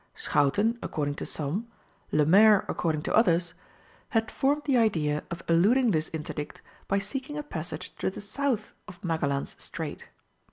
Schouten, according to some, Lemaire, according to others, had formed the idea of eluding this interdict by seeking a passage to the south of Magellan's Strait.